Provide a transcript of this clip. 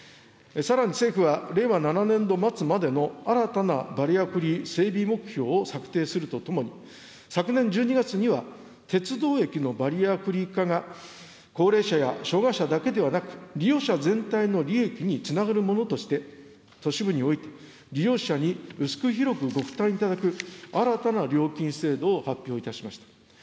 さらに政府は、令和７年度末までの新たなバリアフリー整備目標を策定するとともに、昨年１２月には、鉄道駅のバリアフリー化が、高齢者や障害者だけではなく、利用者全体の利益につながるものとして、都市部において、利用者に薄く広くご負担いただく、新たな料金制度を発表いたしました。